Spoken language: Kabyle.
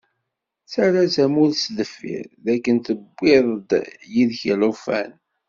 Ttarra azamul s deffir, dakken tewwiḍ-d yid-k llufan.